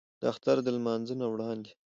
د اختر د لمونځ نه وړاندې